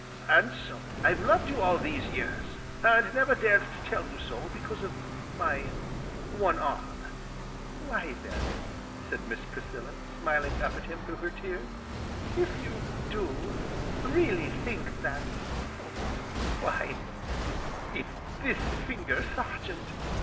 _ And so I've loved you all these years, and never dared to tell you so, because of my one arm." "Why then," said Miss Priscilla, smiling up at him through her tears, "if you do really think that, why, it's this finger, Sergeant!"